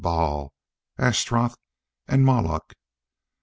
Baal, Ashtaroth, and Moloch.